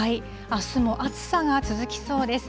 あすも暑さが続きそうです。